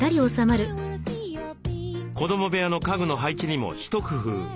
子ども部屋の家具の配置にも一工夫。